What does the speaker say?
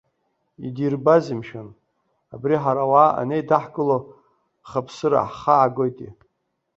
Идирбазеи, мшәан, абри, ҳара ауаа анеидаҳкыло хаԥсыра ҳхаагоитеи.